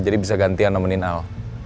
jadi bisa gantian nemenin al